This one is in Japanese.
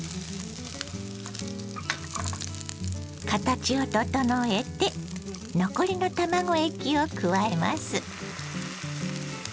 形を整えて残りの卵液を加えます。